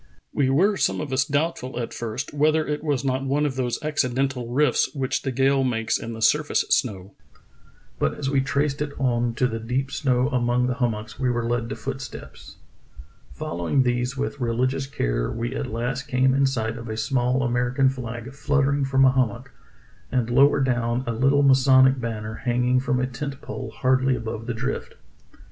We were some of us doubtful at first whether it was not one of those acci dental rifts which the gales make in the surface snow. But as we traced it on to the deep snow among the hum mocks we were led to footsteps. Following these with religious care, we at last came in sight of a small Amer ican flag fluttering from a hummock, and lower down a little masonic banner hanging from a tent pole hardly above the drift.